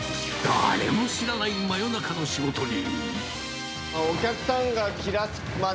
誰も知らない真夜中の仕事人。